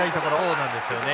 そうなんですよね。